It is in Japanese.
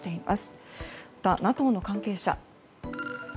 また、ＮＡＴＯの関係者